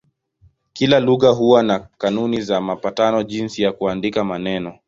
Kila lugha huwa na kanuni na mapatano jinsi ya kuandika maneno.